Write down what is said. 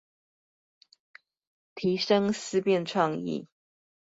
提升思辨創意